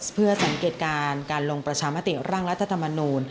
เพื่อสังเกตการณ์การลงประชามติร่างรัฐธรรมนูล